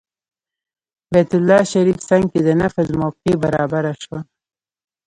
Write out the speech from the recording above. بیت الله شریف څنګ کې د نفل موقع برابره شوه.